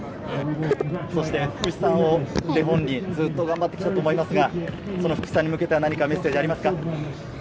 そして福士さんをお手本にずっと頑張ってきたと思いますが、福士さんに向けたメッセージはありますか？